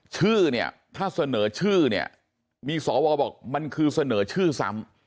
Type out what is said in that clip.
ชื่อเนี่ยถ้าเสนอชื่อเนี่ยมีสวบอกมันคือเสนอชื่อซ้ำ